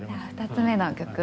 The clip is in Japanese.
２つ目の曲